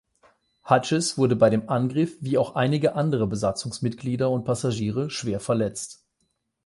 Hughes, wurde bei dem Angriff wie auch einige andere Besatzungsmitglieder und Passagiere schwer verletzt.